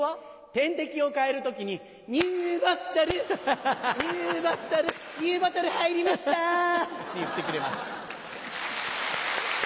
点滴を替える時に「ニューボトルニューボトルニューボトル入りました！」って言ってくれます。